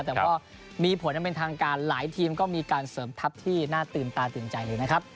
แต่ว่ามีผลอันเป็นทางการหลายทีมก็มีการเสริมทัพที่น่าตื่นตาตื่นใจเลยนะครับ